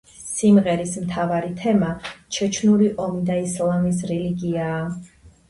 სიმღერების მთავარი თემა ჩეჩნური ომი და ისლამის რელიგიაა.